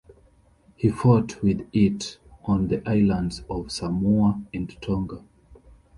He fought with it on the islands of Samoa and Tonga.